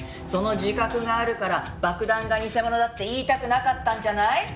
その自覚があるから爆弾が偽物だって言いたくなかったんじゃない？